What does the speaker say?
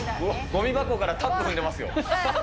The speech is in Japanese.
ごみ箱からタップ踏んでます